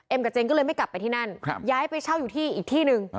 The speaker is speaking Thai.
กับเจนก็เลยไม่กลับไปที่นั่นย้ายไปเช่าอยู่ที่อีกที่หนึ่ง